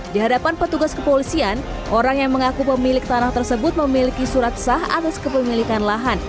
di hadapan petugas kepolisian orang yang mengaku pemilik tanah tersebut memiliki surat sah atas kepemilikan lahan